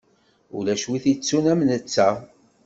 Ulac wi itettun am netta.